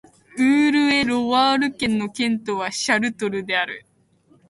ウール＝エ＝ロワール県の県都はシャルトルである